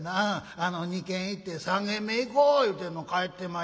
あの２軒行って３軒目行こう言うてんの帰ってまいやがんねん。